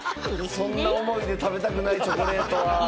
そんな思いで食べたくない、チョコレートは。